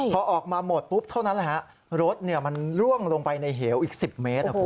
พอออกมาหมดปุ๊บเท่านั้นรถมันร่วงลงไปในเหยียวอีก๑๐เมตร